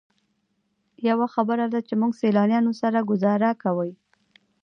یوه خبره ده چې موږ سیلانیانو سره ګوزاره کوئ.